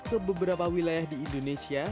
ke beberapa wilayah di indonesia